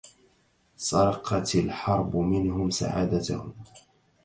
سرقت الحرب منهم سعادتهم.